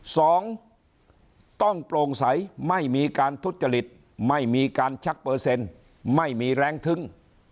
สองต้องโปร่งใสไม่มีการทุจริตไม่มีการชักเปอร์เซ็นต์ไม่มีแรงทึ้ง